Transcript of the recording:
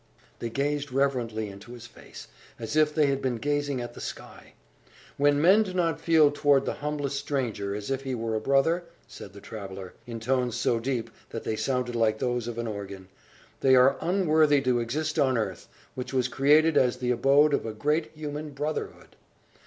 They gazed reverently into his face, as if they had been gazing at the sky. "When men do not feel toward the humblest stranger as if he were a brother," said the traveller, in tones so deep that they sounded like those of an organ, "they are unworthy to exist on earth, which was created as the abode of a great human brotherhood!"